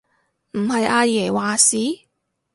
唔係阿爺話事？